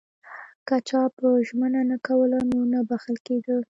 که چا به ژمنه نه کوله نو نه بخښل کېده.